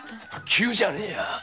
急じゃねえ。